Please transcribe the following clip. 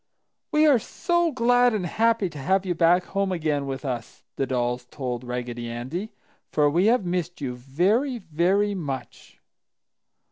"We are so glad and happy to have you back home again with us!" the dolls told Raggedy Andy. "For we have missed you very, very much!"